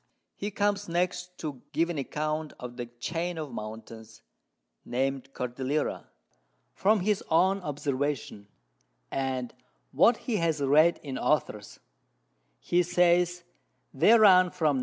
_] He comes next to give an Account of the Chain of Mountains, named Cordillera, from his own Observation, and what he has read in Authors: He says they run from N.